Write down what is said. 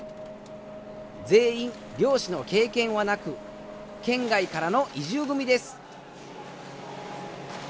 全員漁師の経験はなく県外からの移住組です。